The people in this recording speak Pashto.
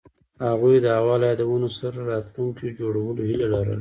هغوی د هوا له یادونو سره راتلونکی جوړولو هیله لرله.